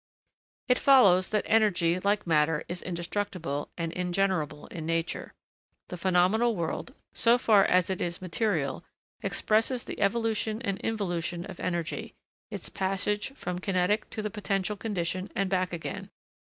It follows that energy, like matter, is indestructible and ingenerable in nature. The phenomenal world, so far as it is material, expresses the evolution and involution of energy, its passage from the kinetic to the potential condition and back again.